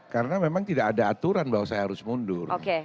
karena memang tidak ada aturan bahwa saya harus mundur